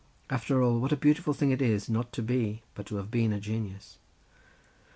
After all, what a beautiful thing it is, not to be, but to have been a genius.